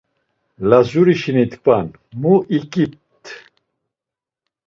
Lazuri şeni tkvan mu ikipt?.